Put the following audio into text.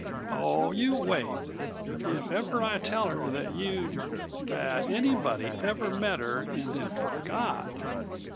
"Oh, you wait! If ever I tell her that you that anybody ever met her and then forgot!